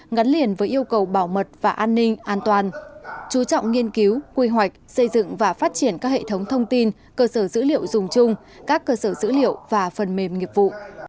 ngắn liền với yêu cầu bảo mật và an ninh an toàn chú trọng nghiên cứu quy hoạch xây dựng và phát triển các hệ thống thông tin cơ sở dữ liệu dùng chung các cơ sở dữ liệu và phần mềm nghiệp vụ